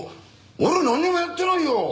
俺何もやってないよ！